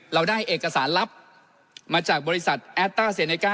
เราได้เอกสารลับมาจากบริษัทแอดต้าเซเนก้า